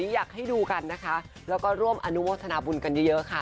อยากให้ดูกันนะคะแล้วก็ร่วมอนุโมทนาบุญกันเยอะค่ะ